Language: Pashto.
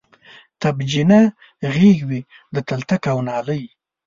تبجنه غیږ وی د تلتک او نالۍ